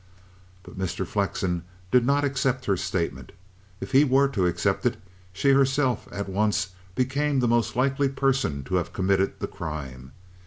But Mr. Flexen did not accept her statement. If he were to accept it, she herself at once became the most likely person to have committed the crime.